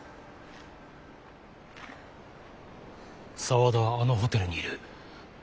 沢田はあのホテルにいる。